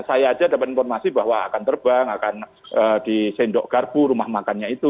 saya aja dapat informasi bahwa akan terbang akan di sendok garbu rumah makannya itu